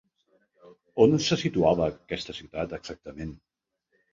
On se situava aquesta ciutat exactament?